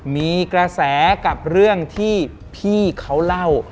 มีกระแสกับเรื่องที่พี่เขาเล่า